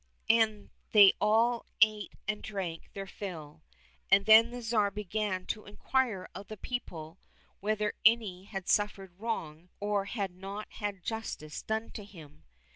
And they all ate and drank their fill, and then the Tsar began to inquire of the people whether any had suffered wrong or had not had justice done him.